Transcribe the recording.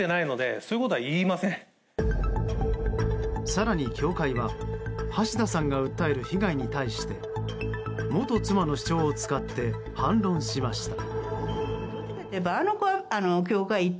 更に教会は橋田さんが訴える被害に対して元妻の主張を使って反論しました。